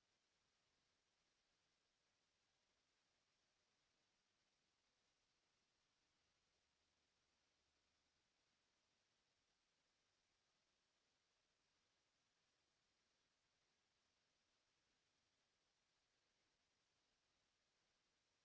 โปรดติดตามต่อไป